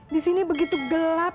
di sini begitu gelap